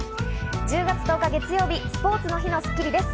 １０月１０日、月曜日、スポーツの日の『スッキリ』です。